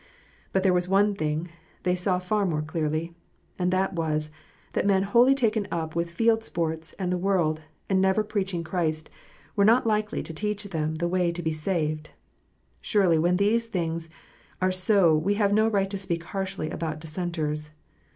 But there was one thing they saw far more clearly, and that was, that men wholly taken up with field sports and the world, and never preaching Christ, were not likely to teach them the way to be saved. Surely when these things are so we have no right to speak harshly about Dissenters.